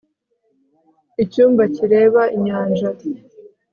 icyumba kireba inyanja